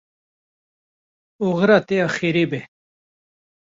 Oxira te ya xêrê be.